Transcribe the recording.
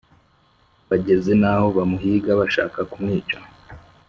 bageze n aho bamuhiga bashaka kumwica